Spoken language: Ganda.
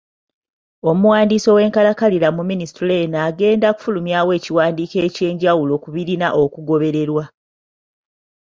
Omuwandiisi w'enkalakkalira mu minisitule eno agenda kufulumyawo ekiwandiiko ekyenjawulo ku birina okugoberera.